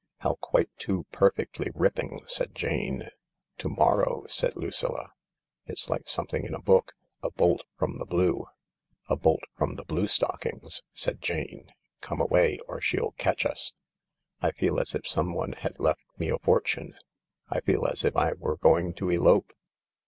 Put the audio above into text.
" How quite too perfectly ripping I " said Jane. "To morrow!" said Lucilla. "It's like something in a book— a bolt from the blue." "A bolt from the blue stockings," said Jane. "Come away, or she'll catch us." " I feel as if someone had left me a fortune ..."" I feel as if I were going to elope."